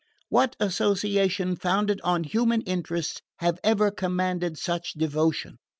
What association founded on human interests has ever commanded such devotion?